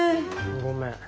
ごめん。